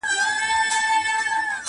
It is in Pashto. ښاغلی محمد صدیق پسرلي,